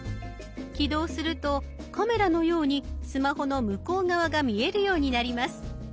起動するとカメラのようにスマホの向こう側が見えるようになります。